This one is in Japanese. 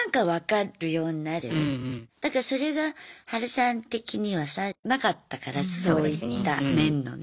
だからそれがハルさん的にはさなかったからそういった面のね。